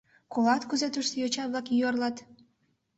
Колат, кузе тушто йоча-влак юарлат.